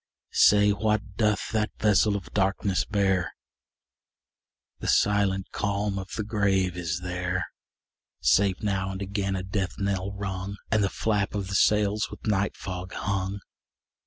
Say, what doth that vessel of darkness bear? The silent calm of the grave is there, Save now and again a death knell rung, And the flap of the sails with night fog hung.